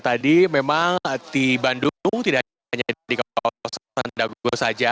tadi memang di bandung tidak hanya di kawasan dago saja